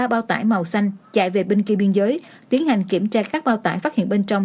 ba bao tải màu xanh chạy về bên kia biên giới tiến hành kiểm tra các bao tải phát hiện bên trong